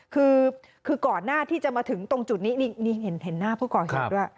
คือก่อนหน้าที่จะมาถึงตรงจุดนี้นี่เห็นหน้าผู้ก่อเหตุด้วย